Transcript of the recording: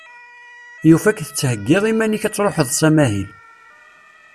Yufa-k tettheggiḍ iman-ik ad truḥeḍ s amahil.